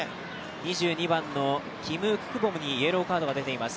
２２番のキム・ククボムにイエローカードが出ています。